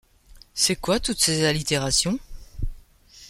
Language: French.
C’est quoi toutes ces allitérations ?